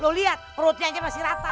lo liat perutnya aja masih rata